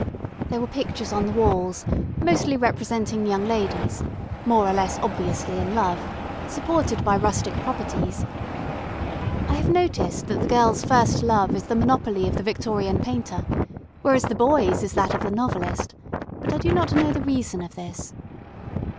There were pictures on the walls, mostly representing young ladies, more or less obviously in love, supported by rustic properties. I have noticed that the girl's first love is the monopoly of the Victorian painter, whereas the boy's is that of the novelist, but I do not know the reason of this.